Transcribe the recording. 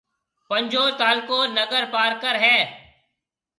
پنجھون تعلقو ننگر پارڪر ھيََََ